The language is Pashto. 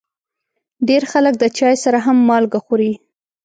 ډېری خلک د چای سره هم مالګه خوري.